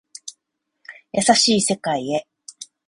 優しい世界へ